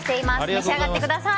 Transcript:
召し上がってください。